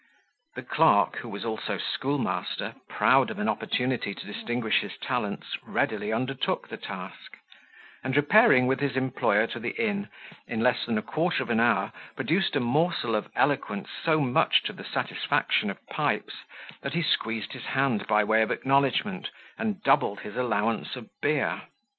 The clerk, who was also schoolmaster, proud of an opportunity to distinguish his talents, readily undertook the task; and repairing with his employer to the inn, in less than a quarter of an hour produced a morsel of eloquence so much to the satisfaction of Pipes, that he squeezed his hand by way of acknowledgment, and doubled his allowance of beer.